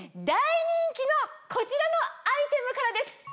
大人気のこちらのアイテムからです。